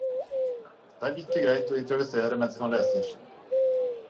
Det er ikke greit å improvisere mens man leser.